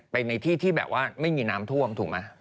ในที่ที่แบบว่าไม่มีน้ำท่วมถูกไหม